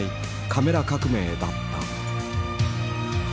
カメラ革命だった。